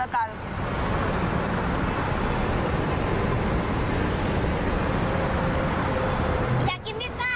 อยากกินมิสซา